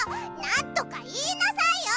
なんとか言いなさいよ！